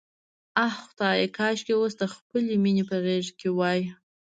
آه خدایه، کاشکې اوس د خپلې مینې په غېږ کې وای.